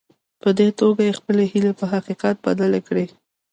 په دې توګه يې خپلې هيلې په حقيقت بدلې کړې.